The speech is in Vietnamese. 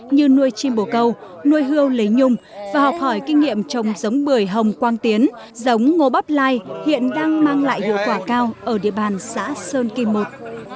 như nuôi chim bổ câu nuôi hươu lấy nhung và học hỏi kinh nghiệm trồng giống bưởi hồng quang tiến giống ngô bắp lai hiện đang mang lại hiệu quả cao ở địa bàn xã sơn kim một